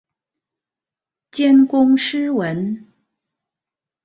兼工诗文。